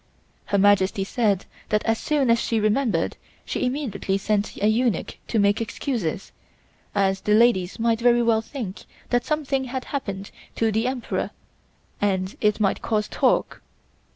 Her Majesty said that as soon as she remembered, she immediately sent a eunuch to make excuses, as the ladies might very well think that something had happened to the Emperor and it might cause talk.